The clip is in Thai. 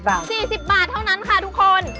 ๔๐บาทเท่านั้นค่ะทุกคน